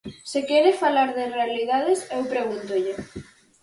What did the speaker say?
Se quere falar de realidades, eu pregúntolle.